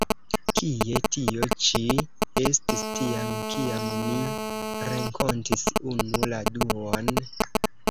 Kie tio ĉi estis tiam, kiam ni renkontis unu la duan?